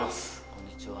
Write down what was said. こんにちは。